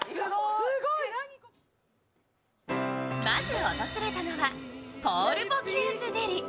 まず訪れたのは、ポール・ボキューズ。